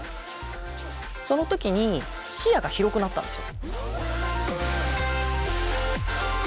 その時に視野が広くなったんですよ。